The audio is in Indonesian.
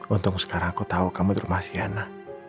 untung sekarang aku tau kamu rumah siana